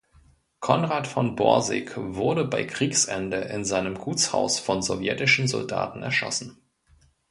Conrad von Borsig wurde bei Kriegsende in seinem Gutshaus von sowjetischen Soldaten erschossen.